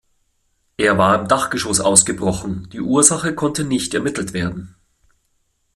Er war im Dachgeschoss ausgebrochen, die Ursache konnte nicht ermittelt werden.